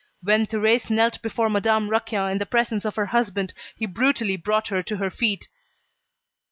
When Thérèse knelt before Madame Raquin, in the presence of her husband, he brutally brought her to her feet.